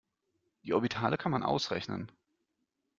Die Orbitale kann man ausrechnen.